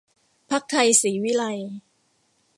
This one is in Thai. พรรคไทยศรีวิไลย์